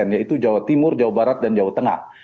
yaitu jawa timur jawa barat dan jawa tengah